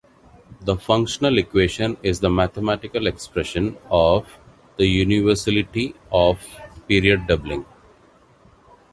The functional equation is the mathematical expression of the universality of period doubling.